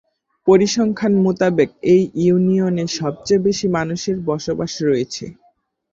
পরিসংখ্যান মোতাবেক এই ইউনিয়নে সবচেয়ে বেশি মানুষের বসবাস রয়েছে।